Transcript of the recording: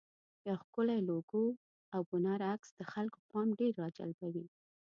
یو ښکلی لوګو او بنر عکس د خلکو پام ډېر راجلبوي.